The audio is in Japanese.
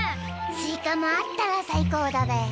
スイカもあったら最高だべ。